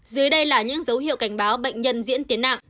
dưới đây là những dấu hiệu cảnh báo bệnh nhân diễn tiến nặng